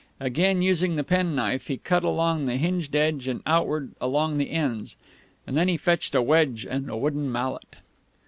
Again using the penknife, he cut along the hinged edge and outward along the ends; and then he fetched a wedge and a wooden mallet.